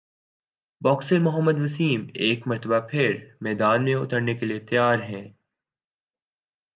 boxer Muhammad Wasim ایک مرتبہ پھر میدان میں اترنےکیلئے تیار ہیں